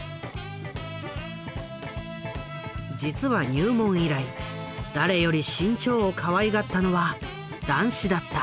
実は入門以来誰より志ん朝をかわいがったのは談志だった。